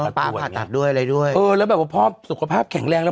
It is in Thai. ปวดผ่าตัดด้วยอะไรด้วยเออแล้วแบบว่าพ่อสุขภาพแข็งแรงแล้ว